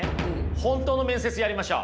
本当の面接やりましょう。